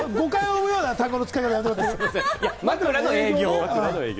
誤解を生むような単語の使い方はやめてもらえます？